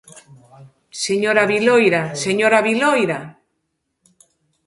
Señora Viloira, ¡señora Viloira!